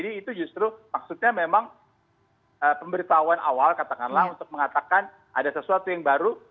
jadi itu justru maksudnya memang pemberitahuan awal katakanlah untuk mengatakan ada sesuatu yang baru